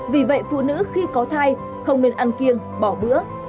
vì vậy phụ nữ khi có thai không nên ăn kiêng bỏ bữa